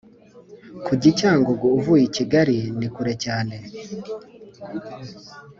Kujya icyangungu uvuye ikigari ni kure cyane